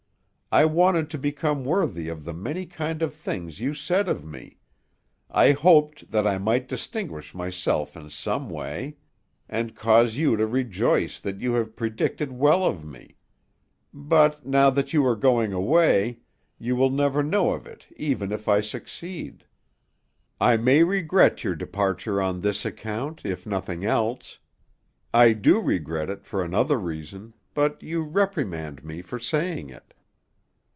I wanted to become worthy of the many kind things you said of me; I hoped that I might distinguish myself in some way, and cause you to rejoice that you had predicted well of me, but now that you are going away, you will never know of it even if I succeed. I may regret your departure on this account, if nothing else. I do regret it for another reason, but you reprimand me for saying it."